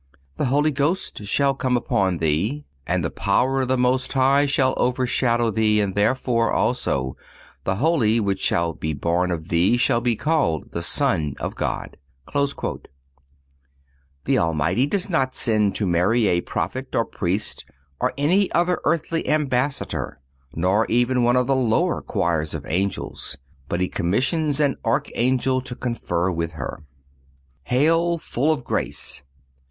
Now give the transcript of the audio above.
The Holy Ghost shall come upon thee, and the power of the most high shall overshadow thee, and therefore, also, the Holy which shall be born of thee shall be called the Son of God."(241) The Almighty does not send to Mary, a prophet or priest, or any other earthly ambassador, nor even one of the lower choirs of angels, but He commissions an Archangel to confer with her. _"__Hail full of grace!